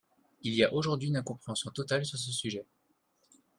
Il y a aujourd’hui une incompréhension totale sur ce sujet.